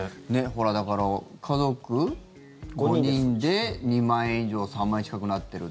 だから、家族５人で２万円以上３万近くなってるって。